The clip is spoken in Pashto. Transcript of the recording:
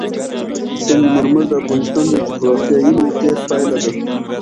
سنگ مرمر د افغانستان د جغرافیایي موقیعت پایله ده.